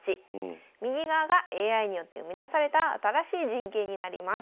右側がＡＩによって生み出された新しい陣形になります。